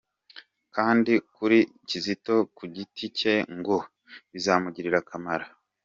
Kandi kuri Kizito ku giti cye ngo bizamugirira akamaro.